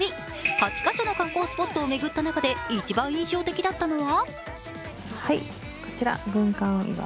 ８か所の観光スポットを巡った中で一番印象的だったのは？